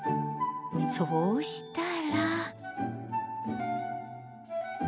そうしたら。